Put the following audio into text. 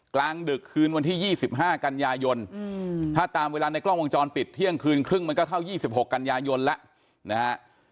กลางดึกคืนวันที่๒๕กันยายนถ้าตามเวลาในกล้องวงจรปิดเที่ยงคืนครึ่งมันก็เข้า๒๖กันยายนแล้วนะฮะ